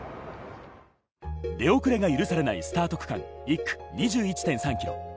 出遅れが許されないスタート区間、１区・２１．３ｋｍ。